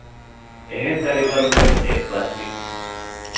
އެހެން ދަރިވަރުން ވެސް އެއްބަސްވި